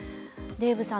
デーブさん